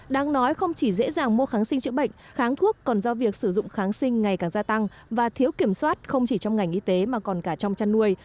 đáng nói không chỉ dễ dàng mua kháng sinh chữa bệnh kháng thuốc còn do việc sử dụng kháng sinh ngày càng gia tăng và thiếu kiểm soát không chỉ trong ngành y tế mà còn cả trong chăn nuôi